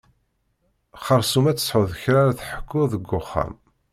Xersum ad tesεuḍ kra ara teḥkuḍ deg uxxam.